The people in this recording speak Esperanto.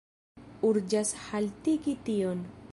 Urĝas haltigi tion.